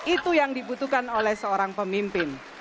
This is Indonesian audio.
itu yang dibutuhkan oleh seorang pemimpin